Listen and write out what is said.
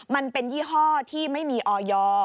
มันเป็นยี่ห้อที่ไม่มีออย